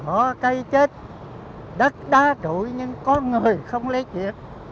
ở cây chết đất đá trụi nhưng có người không lấy chiếc